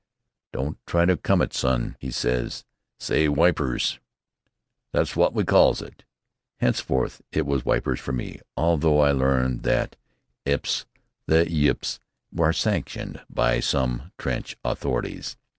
"Don't try to come it, son," he said. "S'y 'Wipers.' That's wot we calls it." Henceforth it was "Wipers" for me, although I learned that "Eeps" and "Yipps" are sanctioned by some trench authorities.